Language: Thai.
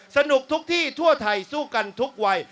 สนุกทุกที่ทั่วไทยสู้กันทุกวัย